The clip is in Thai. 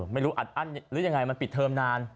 ไม่รู้อัดอั้นหรือยังไงมันปิดเทอมนาน